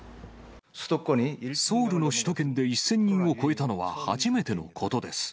ソウルの首都圏で１０００人を超えたのは初めてのことです。